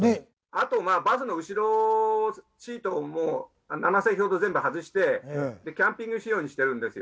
あとバスの後ろシートも７席ほど全部外してキャンピング仕様にしてるんですよ。